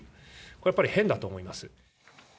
これやっぱり変だと思います。